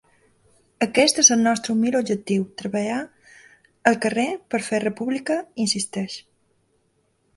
Aquest és el nostre humil objectiu, treballar al carrer per fer República, insisteix.